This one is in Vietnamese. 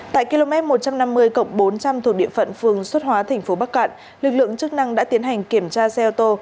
tại km một trăm năm mươi bốn trăm linh thuộc địa phận phường xuất hóa tp bắc cạn lực lượng chức năng đã tiến hành kiểm tra xe ô tô